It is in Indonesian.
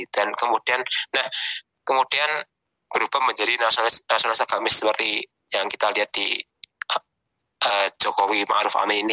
dan kemudian berubah menjadi nasionalis agamis seperti yang kita lihat di jokowi ma ruf amin ini